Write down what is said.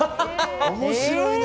面白いね。